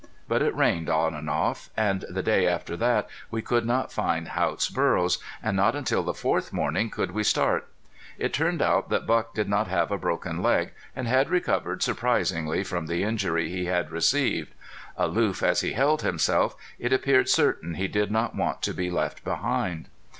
But it rained on and off; and the day after that we could not find Haught's burros, and not until the fourth morning could we start. It turned out that Buck did not have a broken leg and had recovered surprisingly from the injury he had received. Aloof as he held himself it appeared certain he did not want to be left behind.